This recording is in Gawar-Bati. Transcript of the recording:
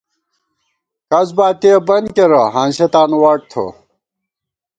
کھس باتِیہ بن کېرہ، ہانسِیہ تانُو واٹ ٹھوَہ